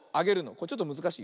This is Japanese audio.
ちょっとむずかしい。